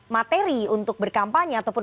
materi untuk berkampanye ataupun